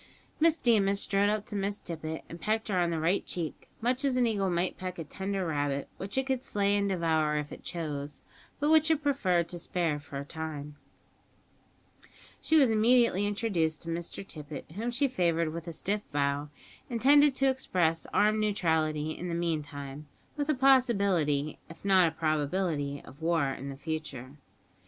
Miss Deemas strode up to Miss Tippet, and pecked her on the right cheek, much as an eagle might peck a tender rabbit, which it could slay and devour if it chose, but which it preferred to spare for a time. She was immediately introduced to Mr Tippet, whom she favoured with a stiff bow, intended to express armed neutrality in the meantime; with a possibility, if not a probability, of war in the future.